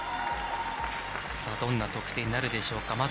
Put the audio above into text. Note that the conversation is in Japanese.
どんな得点になるでしょうか。